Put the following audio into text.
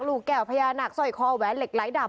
ลูกแก่วภายาหนักสอยคอแวเหล็กหลายดาบ